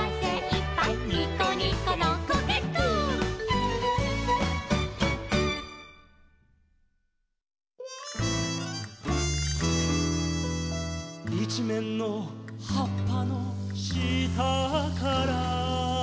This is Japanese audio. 「いちめんのはっぱのしたから」